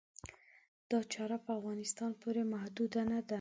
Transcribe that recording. دا چاره په افغانستان پورې محدوده نه ده.